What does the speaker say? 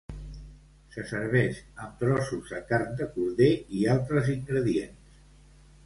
Se serveix amb trossos de carn de corder i altres ingredients.